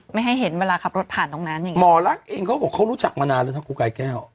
ไม่ให้เห็นเวลาขับรถผ่านตรงนั้นอย่างนี้หมอลักษณ์เองเขาบอกเขารู้จักมานานแล้วนะครูกายแก้ว